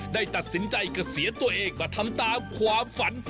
ได้ตัดสินใจเกษียณตัวเองมาทำตามความฝัน